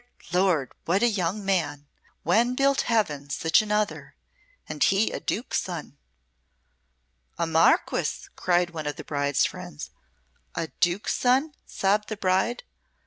Lord! what a young man! When built Heaven such another? And he a Duke's son!" "A Marquess!" cried one of the bride's friends. "A Duke's son!" sobbed the bride.